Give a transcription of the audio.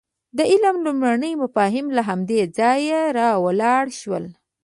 د علم لومړني مفاهیم له همدې ځایه راولاړ شول.